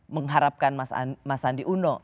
mengharapkan mas sandi uno